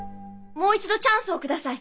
もう一度チャンスを下さい。